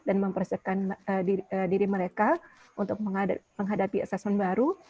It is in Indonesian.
dan mempersiapkan diri mereka untuk menghadapi asesmen baru